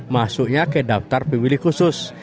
masuknya ke daftar pemilih khusus